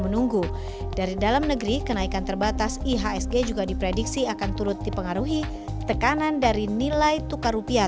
menunggu dari dalam negeri kenaikan terbatas ihsg juga diprediksi akan turut dipengaruhi tekanan dari nilai tukar rupiah